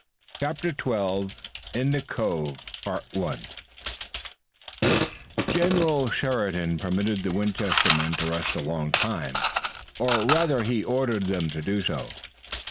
CHAPTER XII IN THE COVE General Sheridan permitted the Winchester men to rest a long time, or rather he ordered them to do so.